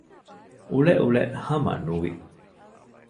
އުޅެއުޅެ ހަމަ ނުވި